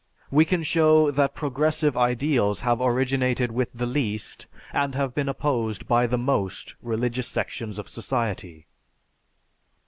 We can show that progressive ideals have originated with the least, and have been opposed by the most religious sections of society."